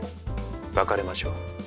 別れましょう。